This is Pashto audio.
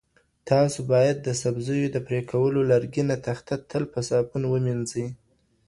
تاسو باید د سبزیو د پرې کولو لرګینه تخته تل په صابون ومینځئ.